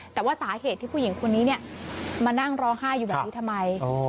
แต่ว่าสาเหตุที่ผู้หญิงคนนี้มานั่งร้องไห้อยู่แบบนี้ทำไม